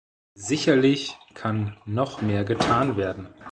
Sicherlich kann noch mehr getan werden.